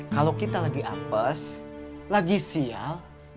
kalau kita lagi apes lagi siang